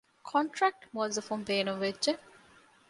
ކޮންޓްރެކްޓް މުއައްޒަފުން ބޭނުންވެއްޖެ